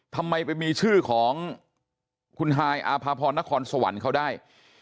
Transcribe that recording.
ทำไมไปมีชื่อของคุณฮายอาภาพรนครสวรรค์เขาได้